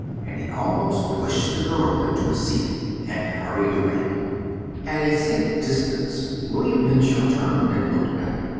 And he almost pushed the girl into a seat and hurried away. At a safe distance William Henshaw turned and looked back.